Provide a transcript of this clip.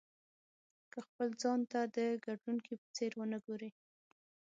که خپل ځان ته د ګټونکي په څېر ونه ګورئ.